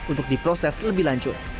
untuk diproses lebih lanjut